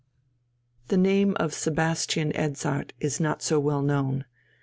The name of Sebastian Edzardt is not so well known.